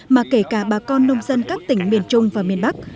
mà kể cả bà con nông dân các tỉnh miền trung và miền bắc